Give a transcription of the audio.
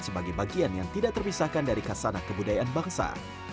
sebagai bagian yang tidak terpisahkan dari kasana kebudayaan bangsa